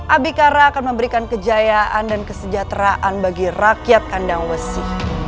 abikara akan memberikan kejayaan dan kesejahteraan bagi rakyat kandang besi